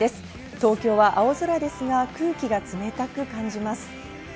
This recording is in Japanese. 東京は青空ですが空気が冷たく感じます。